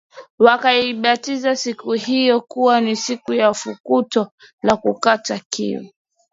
Wakaibatiza siku hiyo kuwa ni siku ya fukuto la kukata kiu